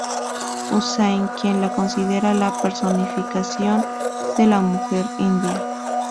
Hussain, quien la considera la personificación de la mujer india.